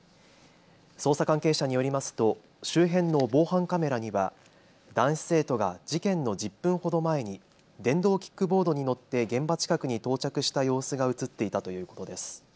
捜査関係者によりますと周辺の防犯カメラには男子生徒が事件の１０分ほど前に電動キックボードに乗って現場近くに到着した様子が写っていたということです。